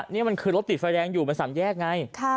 นี่มันคือรถติดไฟแดงอยู่มัน๓แยกไง